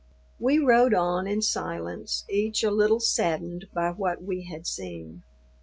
We rode on in silence, each a little saddened by what we had seen.